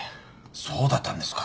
そうだったんですか。